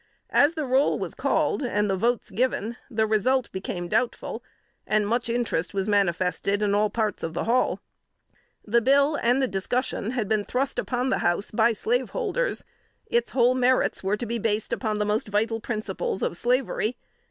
As the roll was called, and the votes given, the result became doubtful, and much interest was manifested in all parts of the hall. The bill and discussion had been thrust upon the House by slaveholders: its whole merits were based upon the most vital principles of slavery.